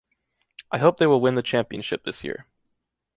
I hope they will win the championship this year.